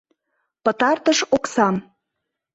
— Пытартыш оксам.